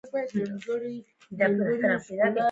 د نفتالینو ټېکلې د کویه ضد دوا په حیث کاروي.